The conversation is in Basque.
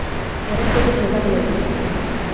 Errespetuz jokatu beti!